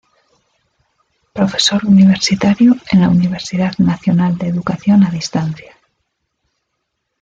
Profesor Universitario en la Universidad Nacional de Educación a Distancia.